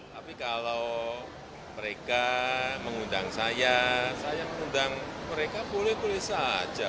tapi kalau mereka mengundang saya saya mengundang mereka boleh boleh saja